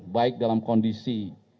baik dalam kondisi